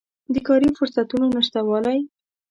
د کاري فرصتونو نشتوالی